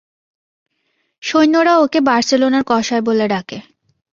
সৈন্যরা ওকে বার্সেলোনার কসাই বলে ডাকে।